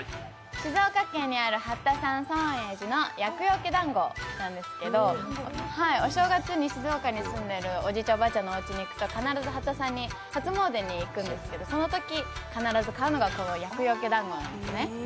静岡県にある法多山尊永寺の厄よけ団子なんですけど、お正月に静岡に住んでるおじいちゃん、おばあちゃんちに行くと必ず法多山に初詣に行くんですけどそのときに食べるのがこの厄よけ団子なんですね。